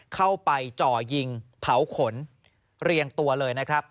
เข้าไปจ่อยิงเผาขนเรียงตัวเลยนะครับ